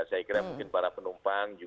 saya kira mungkin para penumpang